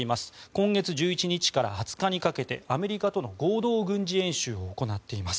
今月１１日から２０日にかけてアメリカとの合同軍事演習を行っています。